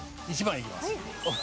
１番いきます。